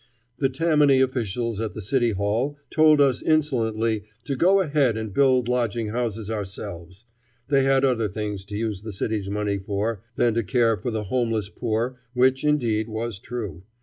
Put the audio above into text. The Tammany officials at the City Hall told us insolently to go ahead and build lodging houses ourselves; they had other things to use the city's money for than to care for the homeless poor; which, indeed, was true.